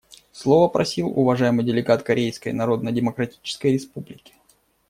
Слова просил уважаемый делегат Корейской Народно-Демократической Республики.